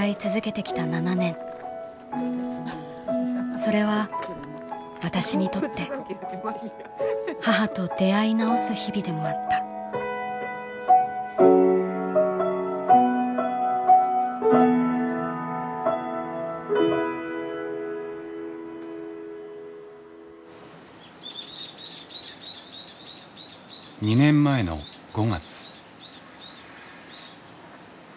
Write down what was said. それは私にとって母と出会い直す日々でもあった」。２年前の５月。